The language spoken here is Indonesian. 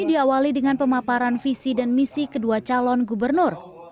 diawali dengan pemaparan visi dan misi kedua calon gubernur